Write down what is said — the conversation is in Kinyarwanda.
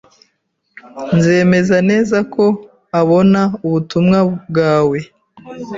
Nzemeza neza ko abona ubutumwa bwawe.